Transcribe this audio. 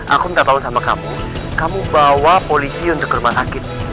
aku nggak tahu sama kamu kamu bawa polisi untuk ke rumah sakit